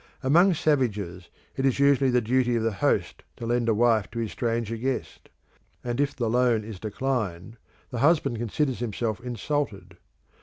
Among savages it is usually the duty of the host to lend a wife to his stranger guest, and if the loan is declined the husband considers himself insulted.